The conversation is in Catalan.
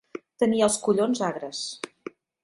Tenir els collons agres.